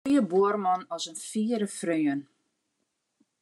Better in goede buorman as in fiere freon.